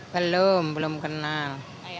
belum belum kenal